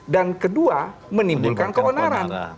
dan kedua menimbulkan keonaran